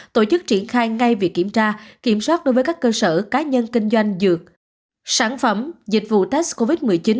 tổ chức triển khai ngay việc kiểm tra kiểm soát đối với các cơ sở cá nhân kinh doanh dược sản phẩm dịch vụ test covid một mươi chín